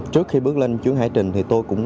trước khi bước lên chuyến hải trình